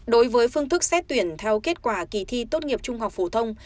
đối với phương thức xét tuyển theo kết quả kỳ thi tốt nghiệp trung học phổ thông